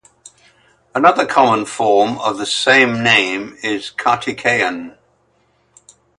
Another common form of the same name is Karthikeyan.